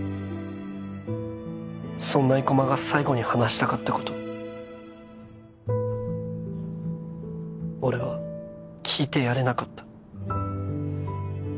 そんな生駒が最後に話したかったこと俺は聞いてやれなかった